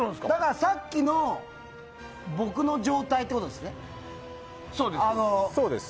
さっきの僕の状態ということですね。